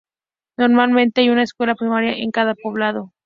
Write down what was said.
Normalmente hay una escuela primaria en cada poblado.